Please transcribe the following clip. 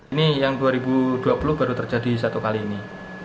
ini yang dua ribu dua puluh baru terjadi satu kali ini